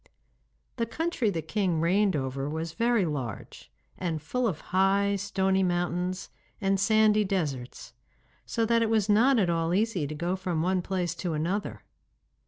The country the king reigned over was very large, and full of high, stony mountains and sandy deserts, so that it was not at all easy to go from one place to another.